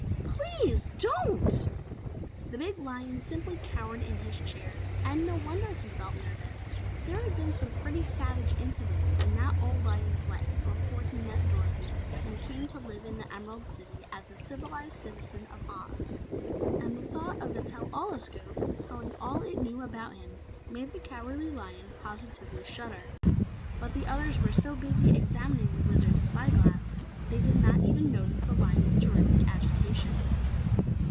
Please don't!" The big lion simply cowered in his chair, and no wonder he felt nervous. There had been some pretty savage incidents in that old lion's life before he met Dorothy and came to live in the Emerald City as a civilized citizen of Oz. And the thought of the tell all escope telling all it knew about him made the Cowardly Lion positively shudder. But the others were so busy examining the Wizard's spy glass, they did not even notice the lion's terrific agitation.